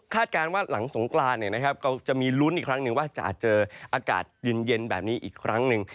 คาดการณ์ว่าหลังสงกรานเนี่ยนะครับก็จะมีรุ้นอีกครั้งนึงว่าจะเจออากาศเย็นแบบนี้อีกครั้งนึง